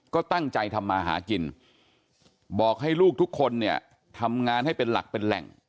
ก็ตั้งใจทำมาหากินบอกให้ลูกทุกคนเนี่ยทำงานให้เป็นหลักเป็นแหล่ง